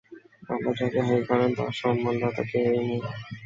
আল্লাহ যাকে হেয় করেন তার সম্মানদাতা কেউই নেই।